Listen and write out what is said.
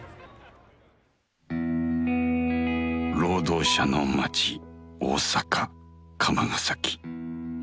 労働者の街大阪釜ヶ崎。